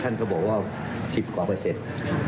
ท่านก็บอกว่า๑๐กว่าเปอร์เซ็นต์